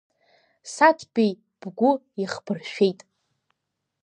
Саҭбеи бгәы ихбыршәеит.